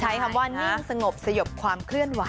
ใช้คำว่านิ่งสงบสยบความเคลื่อนไหว